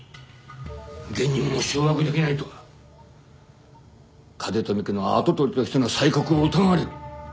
下忍も掌握できないとは風富家の跡取りとしての才覚を疑われる。